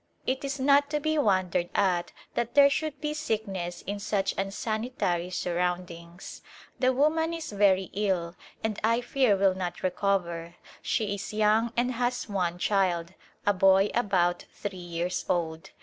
It is not to be wondered at that there should be sickness in such unsanitary surround ings ! The woman is very ill and I fear will not re cover. She is young and has one child, a boy about three years old.